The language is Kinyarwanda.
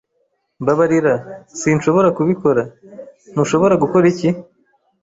"Mbabarira. Sinshobora kubikora." "Ntushobora gukora iki?"